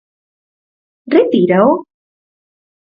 ¿Retírao?